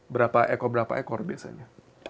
berapa eko berapa ekor biasanya